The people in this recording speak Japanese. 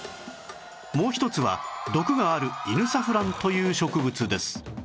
もう一つは毒があるイヌサフランという植物です